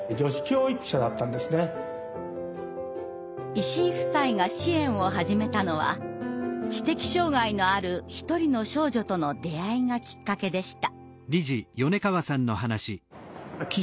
石井夫妻が支援を始めたのは知的障害のある一人の少女との出会いがきっかけでした。